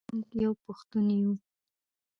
موږ یو پښتون یو.